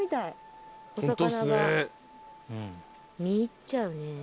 見入っちゃうね。